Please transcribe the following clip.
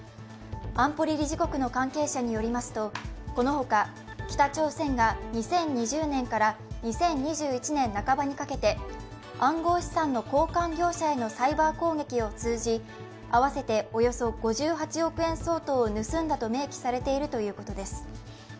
安保理理事国の関係者によりますとこの他、北朝鮮が２０２０年から２０２１年半ばにかけて暗号資産の交換業者へのサイバー攻撃を通じ、合わせておよそ５８億円相当を盗んだと明記されているということです。